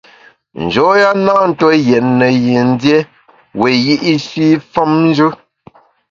Njoya na ntue yètne yin dié wiyi’shi femnjù.